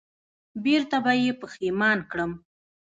بېرته به یې پښېمان کړم